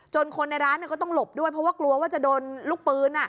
คนในร้านก็ต้องหลบด้วยเพราะว่ากลัวว่าจะโดนลูกปืน